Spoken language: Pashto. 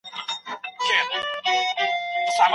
د وروسته پاته والي د مخنیوي لپاره څه باید ترسره سي؟